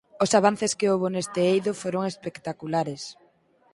Os avances que houbo neste eido foron espectaculares.